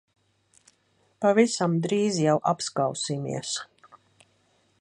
Pavisam drīz jau apskausimies.